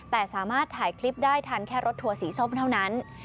แต่สามารถถ่ายคลิปได้ทันแค่รถทัวร์สีส้มเท่านั้น